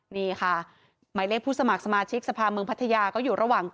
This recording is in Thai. นี่ค่ะหมายเลขผู้สมัครสมาชิกสภาเมืองพัทยาก็อยู่ระหว่าง